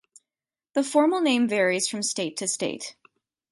The formal name varies from state to state.